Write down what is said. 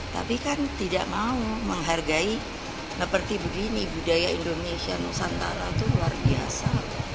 tapi kan tidak mau menghargai seperti begini budaya indonesia nusantara itu luar biasa